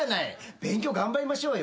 勉強頑張りましょうよ。